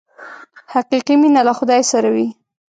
حقیقي مینه له خدای سره وي.